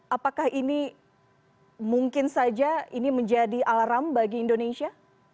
apakah ini mungkin saja ini menjadi alarm bagi indonesia